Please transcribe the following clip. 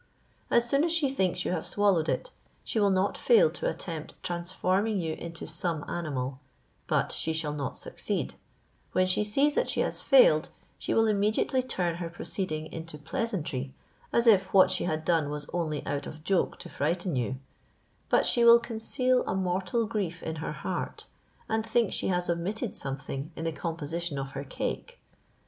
As soon as she thinks you have swallowed it, she will not fail to attempt transforming you into some animal, but she shall not succeed; when she sees that she has failed, she will immediately turn her proceeding into pleasantry, as if what she had done was only out of joke to frighten you; but she will conceal a mortal grief in her heart, and think she has omitted something in the composition of her cake.